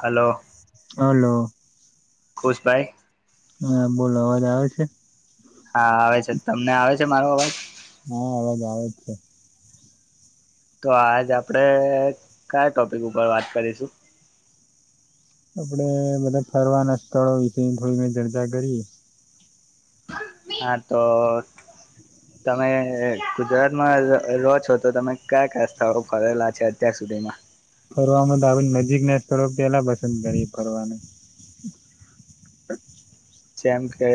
Hello. Hello. ખુશભાઈ. હા બોલો અવાજ આવે છે? હા આવે છે તમને આવે છે મારો અવાજ? હા અવાજ આવે જ છે તો આજ આપડે કયા ટોપિક ઉપર વાત કરીશું? આપડે બધા ફરવાના સ્થળો વિશે થોડી ઘઈ ચર્ચા કરીએ. હા તો તમે ગુજરાતમાં રહો છો તો તમે કયા કયા સ્થળો ફરેલા છો અત્યાર સુધીમાં? ફરવામાં તો આ બાજુ નજીક ના સ્થળ પેલા પસંદ કરીએ ફરવાનું‌‌. જેમ કે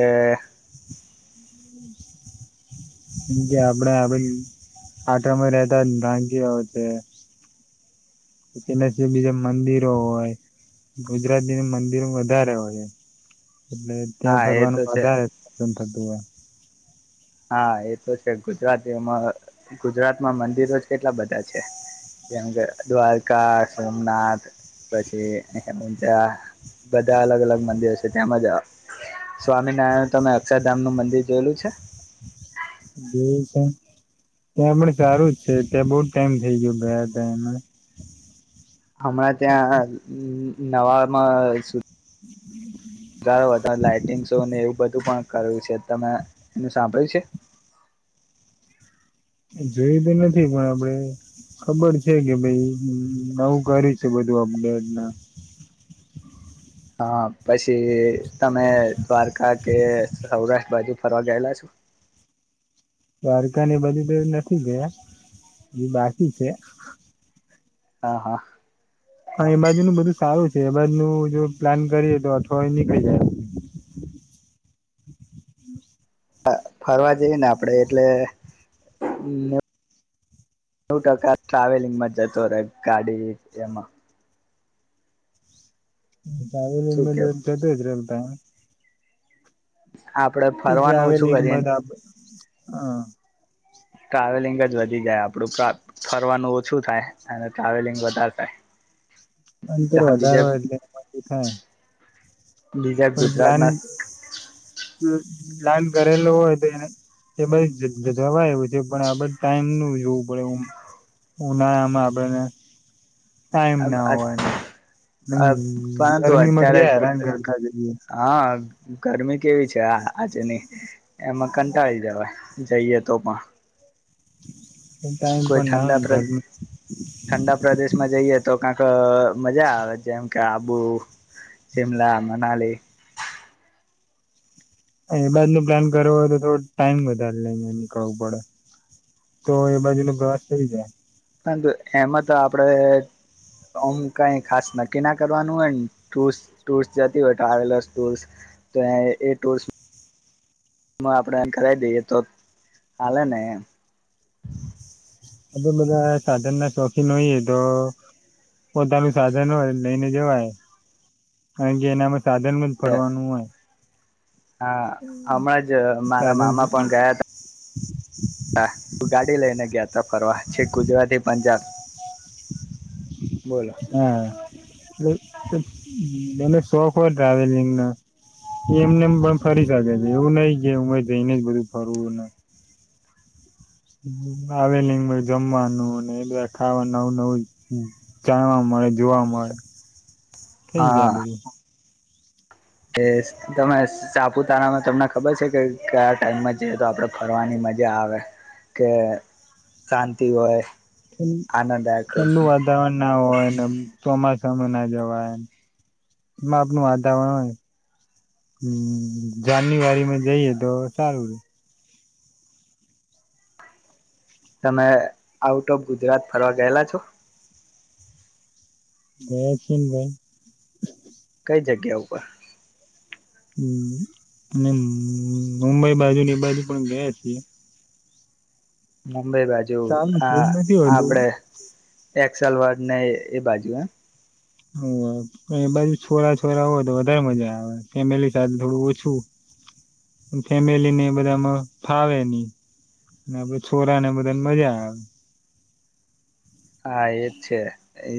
કેમ કે આપણે આ બાજુ પાટણમાં રહેતા હો છે, તેના બીજા મંદિરો હોય ગુજરાતી મંદિરો વધારે હોય. એટલે ત્યાં હા એ તો ફરવાનું છે વધારે થતું હોય. હા એ તો છે, ગુજરાતીમાં ગુજરાતમાં મંદિરો જ કેટલા બધા છે, જેમ કે દ્વારકા, સોમનાથ પછી ઊંઝા બધા અલગ અલગ મંદિરો છે, તેમ જ સ્વામિનારાયણનુ તમે અક્ષરધામનું મંદિર જોયેલું છે? જોયુ છે, ને ત્યાં પણ સારું જ છે, ત્યાં બહુ જ ટાઈમ થઇ ગયો ગયા હતા એમાં. હમણાં ત્યાં નવામાં શું હમ. વધારે લાાઈટિંગ શૉ ને એવું બધું પણ કરેલુ છે તમે એનું સાંભળ્યું છે? જોયું તો નથી પણ આપણે ખબર છે કે ભાઈ નવું કરે છે બધું અપડેટ ને હા પછી તમે દ્વારકા કે સૌરાષ્ટ્ર બાજુ ફરવા ગયેલા છો? દ્વારકા ને બધું તો નથી ગયા, એ બાકી છે. હા હા. પણ એ બાજુ નું બધું સારું એ બાજુનું જો પ્લાન કરીએ તો અઠવાડિયુ નીકળી જાય. ફરવા જઈ ને આપણે એટલે, નવ ટકા ટ્રાવેલિંગમાં જતો રહે ગાડી એમાં. ટ્રાવેલિંગ શું માં તો કેવું જતો જ રવ હ. આપણે ફરવાનું ઓછું કરીએ. ટ્રાવેલિંગમાં તો આપ હા. ટ્રાવેલિંગ જ વધી જાય આપણું ફરવાનું ઓછું થાય અને ટ્રાવેલિંગ વધારે થાય. અંતર બીજા વધારો એટલે એ બધું થાય. બીજા પણ ગુજરાત પ્લાન ના.. પ્લાન કરેલો હોય તો એ એ બાજુ જવા જેવું છે. પણ આપણે ટાઈમ નું જોવું પડે. ઉનાળામાં આપણને.. ટાઈમ ના હોયને. પરંતુ ગરમીમાં અત્યારે [unintelligible] હેરાન.. હા.. ગરમી કેવી.. આજે નહી એમાં કંટાળી જવાય જઈએ તો પણ ટાઈમ કોઈ પણ ના હોય ઠંડા ને ઘરમા... કંઈક મજા આવે. જેમ કે આબુ, શિમલા, મનાલી એ બાજુ ન પ્લાન કરવો હોય તો થોડો ટાઈમ વધારે લઇને નીકળવું પડે. તો એ બાજુ નો પ્રવાસ થઇ જાય.. પરંતુ એમાં તો આપણે આમ્ કંઈ ખાસ નક્કી ના કરવાનું હોય ને. ટુર્સ ટુર્સ જતી હોય ટ્રાવેલર્સ ટુર્સ તો એ ટુર્સ માં આપણે કરાવી દઈએ તો હાલે ને એમ... હવે, બધા સાધન ના શોખીન હોયએ તો પોતાનું સાધન હોય લઈને જવાય.. કારણકે એનામાં... સાધનમા જ ફરવાનું હોય. હા હમણાં જ મારા સાધન મામા પણ ગયા હતા હા તું ગાડી લઈને ગયા ત ફરવા છે ગુજરાતી પંજાબ બોલો હા મને શોખ હોય ટ્રાવેલિંગ ન એમને એ પણ ફરી શકે છે એવું નહ કે હુંરે જઈને જ બધું ફરવું ને આવેલી જમવાનું અને બધા ખાવાનું નવું નવું જાણવા મળે જોવા મળે થઈ જાય બધું કે તમે સાપુતારામાં તમને ખબર છે કે કયા ટાઈમમાં જઈએ તો આપડે ફરવાની મજા આવે કે શાંતિ હોય આનંદદાયક ઠંડુ હોય. વાતાવરણ ના હોય ચોમાસું ના જવાય માપનું વાતાવરણ હોય હમ જાન્યુઆરીમાં જઈએ તો સારું ર તમે આઉટ ઓફ ગુજરાત ફરવા ગયેલા છો હે છન ભાઈ કઈ જગ્યા ઉપર હમ અને મુંબઈ બાજુ ની બાજુ પણ ગયા છીએ હમ ઈ બાજુ સારું છે આ એવું નથી હોતું આપડે એકસલ વા ન એ બાજુ હ ઓ બાધુ છોરા છોરા હોય તો વધારે મજા આવે ફેમિલી સાથે થોડું ઓછું પણ ફેમિલી ને બધામાં ફાવે નહ છોરા ને બધાને મજા આવે હા એજ છે એ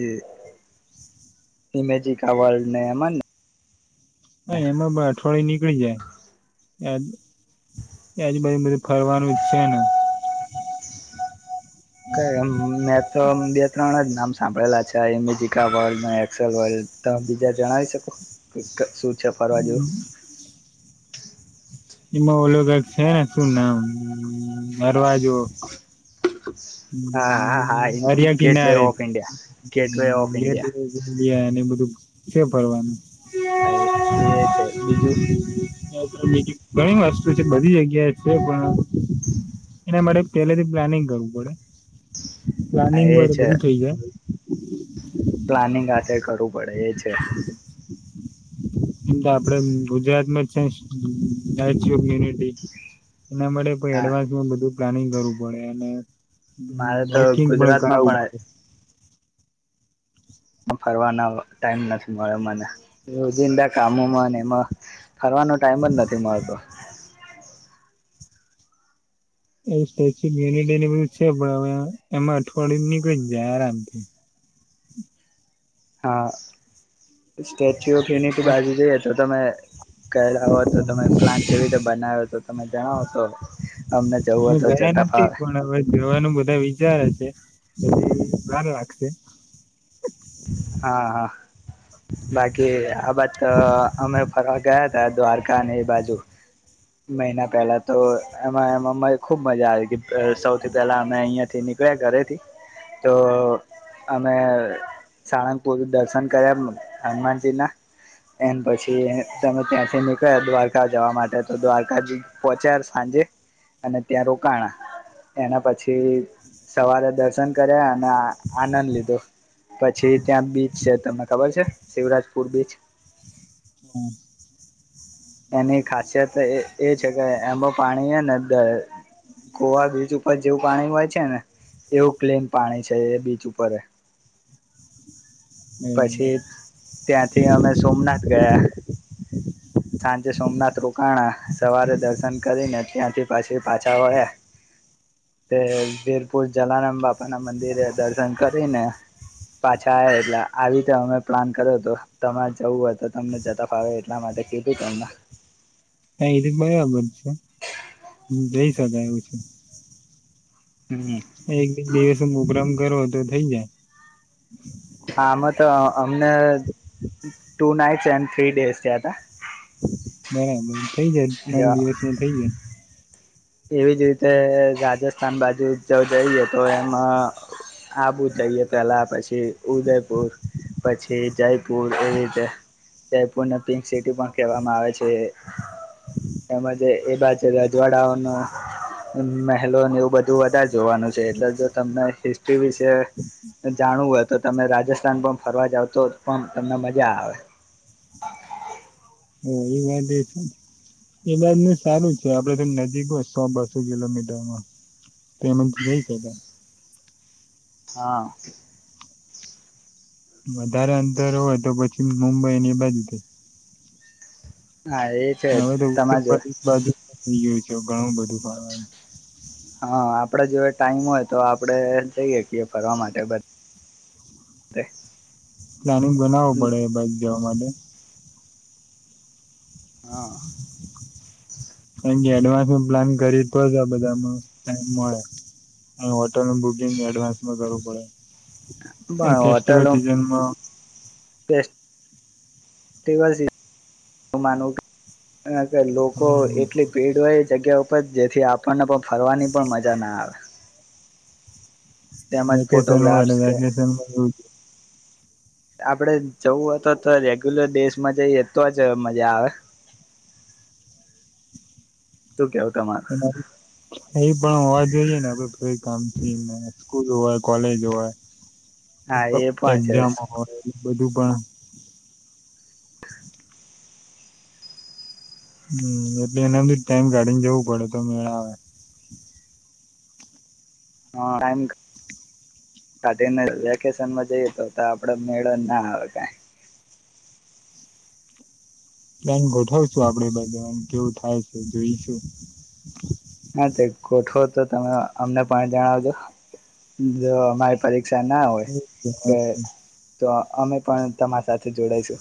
ઇમેજિક આ વર્લ્ડ ને એમાં ને હા એમાં બઠ થોડી નીકળી જાય આજુબજુ બધું ફરવાનું છે ને કમ મેં તો બે ત્રણ જ નામ સાંભળેલા છે એમેજીિકા વર્લ્ડ એક્સેલ વર્લ્ડ તમે બીજા જણાવી શકો શ છ ફરવાજ નિમ ઓળગ છે ને શું નામ અરવાજુ હા હા હા હરિયા ગેટ વે કિનારે of India gateway of A India બધું કે ફરવાનું હા એ છે બીજું ઘણી વસ્તુ છે બધી જગ્યાએ છે પણ એના માટે પહેલેથી પ્લાનિંગ કરવું પડે હા પ્લાનિંગ એ વાર છે બધું થઇ જાય પ્લાનિંગ આ કરું પડે છે એમ તો આપડે ગુજરાતમાં જ છે સ્ટેચ્યુ ઓફ યુનિટી એના માટે કોઈ હા એડવાન્સમાં બધું પ્લાનિંગ કરવું પડે અને મારે તો બુકિંગ પણ ગુજરાતમાં કરાવવું પડે પણ ફરવાના ટાઈમ નથી મળ્યો મને કામોમાં એમાં ફરવાનો ટાઈમ જ નથી મળતો એ સ્ટેચ્યુ ઓફ યુનિટીને બધું છે પણ હવે એમાં અઠવાડિય નીકળી જાય આરામથી હા સ ઓ ખેણી થી બાજુ જ તમે ગણલા હો તો તમે પ્લાન કેવી રીતે બનાવ્યો તો તમે જણાવો તો અમને જવું અમે હો તો ગયા જતા નથી ફાવે એ ભ [inaudible] લખશે હા હા બાકી આ વાત અમે ફરવા ગયા તા દ્વારકા અને એ બાજુ મહિના પહેલા તો એમાં એ ખુબ મજા આવી સૌથી પહેલા અમે અહિયાંથી નીકળ્યા ઘરેથી તો અમે સાણંદ પુર દર્શન કર્યા હનુમાનજી ના એ પછી તમે ત્યાંથી નીકળ્યા દ્વારકા જવા માટે તો દ્વારકા જ પહોચ્યા સાંજે અને ત્યાં રોકાણા એના પછી સવારે દર્શન કર્યા અને આનંદ લીધો. પછી ત્યાં બીચ છે તમને ખબર છે શિવરાજપુર બીચ હમ એની ખાસિયત એ છે કે એમાં પાણી છે ને ગોવા બીચ ઉપર જેવું પાણી હોય છે ને એવું ક્લીન પાણી છે એ બીચ ઉપરે પછી ત્યાંથી અમે સોમનાથ ગયા. સાંજે સોમનાથ રો કાણા સવારે દર્શન કરીને, ત્યાંથી પાછી પાછા વળ્યા તે વીરપુર જલારામ બાપા ના મંદિરે દર્શન કરીને પાછા આવે એટલે આવી રીતે અમે પ્લાન કર્યો હતો તમારે જવું હોય તો તમને જતા ફાવે એટલા માટે એતો ત હા એ તો બરાબર છે હ જઈ શકે એવું છે. હમ એક બે હ પ્રોગ્રામ કરો થઈ જાય. હા આમાં તો અમને two nights and three days થયા હતા. બરાબર. થઇ જાય ત્રણ દિવસમાં થઇ જાય. એવીજ રીતે રાજસ્થાન બાજુ જો જઈએ તો એમાં આવુ જઈએ પહેલા પછી કે ઉદયપુર પછી જયપુર એ રીતે જયપુરને પિંક સિટી પણ કહેવામાં આવે છે એજ એ બા છે રાજજવાડા મહેલો એવું બધું વધધા જોવાનું છે એટલે જો તમને વિશે જાણવું હત તો તમે રાજસ્થાન પણ ફરવા જાવ તો પણ તમને મજા આવે. ઓ એ વાત એ એ વાતનું સારું છે આપડે તો નજીક હો સો બસો કિલોમીટરમાં તો એમ જઈ શકાય. હા. વધારે અંતર હોય તો પછી. મુુંબઈ અને એ બાજ હા એ છે અને હવે તો ઉત્તર તમારે જો પ્રદેશ બાજુ થઈ ગયું છે. જો ઘણું બધું ફરવા હા આપડે જો ટાઈમ હોય તો આપડે જઈ હકીએ ફરવા માટે બધા પ્લાનિંગ બનાવવું પડે બાક જવા માટે હા ક કે એડવાન્સ ન પ્લાન કરી તો જ આ બધામાં ટાઈમ મળે હોટલનું બુકિંગ એડવાન્સમાં કરવું પડે અને ફેસ્ટિવલ બણોટેાલું સિઝનમાં [inaudible] [inaudible] કે લોકો એટલી ભીડ હોય એ જગ્યા ઉપ જેથી આપણને ફરવાની પણ મજા ના આવે તેમજ ફોટોગ્રાફ્સ કે આપડે [inaudible] જવું તો તો રેગ્યુલર દેશમાં જઈ એતો જ મજા આવે [inaudible] તમારું એ પણ હોવા જોઈએ ને આપ કામ છ સ્કૂલ હોય કોલેજ હોય હા એ પણ છે [inaudible] બધું પણ [inaudible] હમ એટલે એનાધ ટાઈમ કાઢીને જવું પડે તો મેળ આવે હા ટમ [unintelligible] કાઢને વેકેશનમાં જઈએ તો આપડે મેળો ના આવે કઈ એ ગોઠવશું આપડે બધું કેવું થાય છે જોઈશું હા તે ગોઠવો તો તમે અમને પણ જણાવજો જો અમારી પરીા ના હોય કે તો અમે પણ તમારા સાથે જોડાાય છે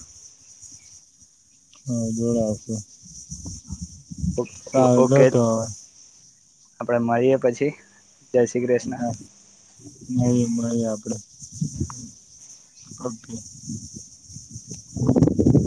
[inaudible] ઓકે [inaudible] આપડે મળરીએ પછી જય શ્રી કૃષ્ણ [inaudible] [inaudible]